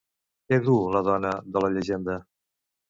Què duu la dona de la llegenda?